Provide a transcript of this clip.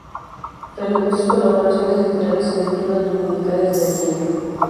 Reanudó sus colaboraciones literarias en Lecturas Dominicales de El Tiempo.